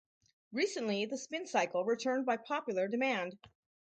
Recently the Spin Cycle returned by popular demand.